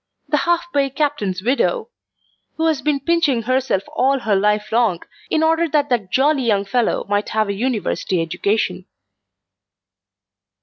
the half pay captain's widow, who has been pinching herself all her life long, in order that that jolly young fellow might have a University education.